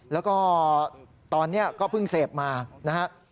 แล้วก็ตอนนี้ก็เพิ่งเสพมานะฮะ